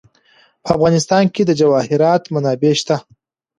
په افغانستان کې د جواهرات منابع شته.